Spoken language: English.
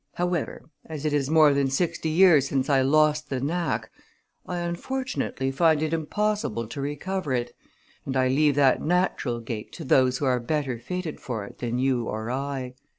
However, as it is more than sixty years since I lost the knack, I unfortunately find it impossible to recover it, and I leave that natural gait to those who are better fitted for it than you or I.